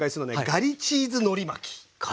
ガリチーズのり巻き！